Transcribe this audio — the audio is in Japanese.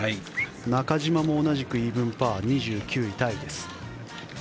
中島も同じくイーブンパーで２９位タイです。